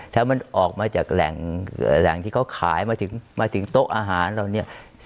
ถ้ามันออกมาจากแหล่งที่เขาขายมาถึงโต๊ะอาหารเหล่านี้